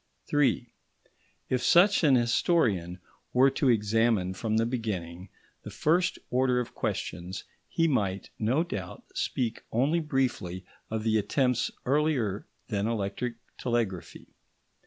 § 3 If such an historian were to examine from the beginning the first order of questions, he might, no doubt, speak only briefly of the attempts earlier than electric telegraphy.